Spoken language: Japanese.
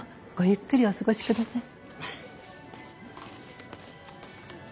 ゆっくりお過ごしください。